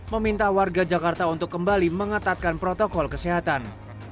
meminta warga jakarta untuk kembali mengetatkan protokol kesehatan